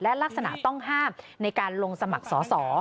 และลักษณะต้องห้ามในการลงสมัครสอสอ